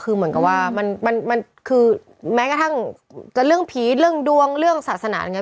คือเหมือนกับว่าแม้กระทั่งเรื่องพีชเรื่องดวงเรื่องศาสนา